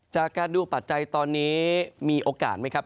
จากการดูปัจจัยตอนนี้มีโอกาสไหมครับ